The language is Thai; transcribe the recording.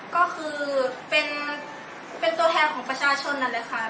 ก็คือเป็นตัวแทนของประชาชนเลยค่ะ